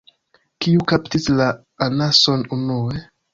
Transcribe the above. Kiu kaptis la anason unue?